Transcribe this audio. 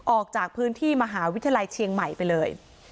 ออกจากพื้นที่มหาวิทยาลัยเชียงใหม่ไปเลย